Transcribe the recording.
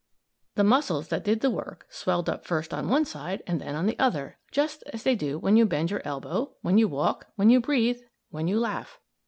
The muscles that did the work swelled up first on one side and then on the other, just as they do when you bend your elbow, when you walk, when you breathe, when you laugh.